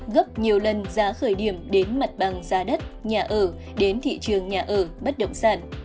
gấp nhiều lần giá khởi điểm đến mặt bằng giá đất nhà ở đến thị trường nhà ở bất động sản